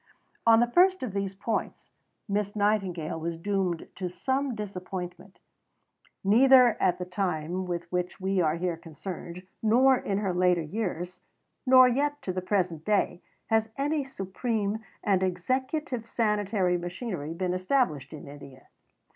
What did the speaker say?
On the first of these points, Miss Nightingale was doomed to some disappointment. Neither at the time with which we are here concerned, nor in her later years, nor yet to the present day, has any supreme and executive sanitary machinery been established in India.